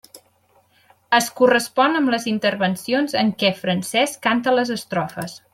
Es correspon amb les intervencions en què Francesc canta les estrofes.